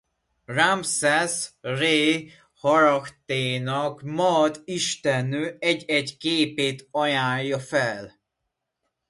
Ramszesz Ré-Harachténak Maat istennő egy-egy képét ajánlja fel.